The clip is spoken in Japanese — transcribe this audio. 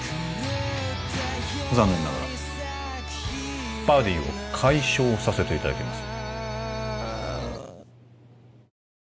残念ながらバディを解消させていただきます